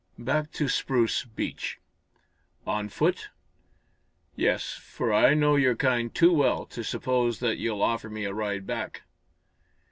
"Back to Spruce Beach." "On foot?" "Yes, for I know your kind too well to suppose that you'll offer me a ride back."